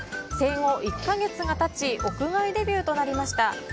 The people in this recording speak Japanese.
生後１か月がたち、屋外デビューとなりました。